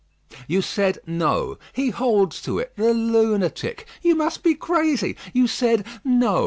"You said, No. He holds to it, the lunatic! You must be crazy. You said, No.